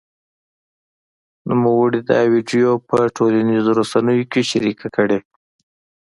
نوموړي دا ویډیو په ټولنیزو رسنیو کې شرېکه کړې